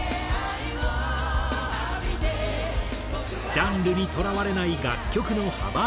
ジャンルにとらわれない楽曲の幅広さ。